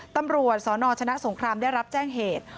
ตำรวจสนชนะสงครามได้รับแจ้งเหตุ